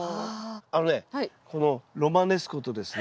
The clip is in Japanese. あのねこのロマネスコとですね